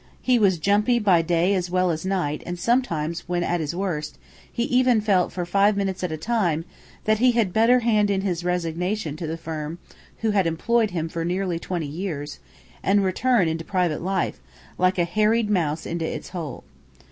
He was "jumpy" by day as well as night; and sometimes, when at his worst, he even felt for five minutes at a time that he had better hand in his resignation to the firm who had employed him for nearly twenty years, and retire into private life, like a harried mouse into its hole.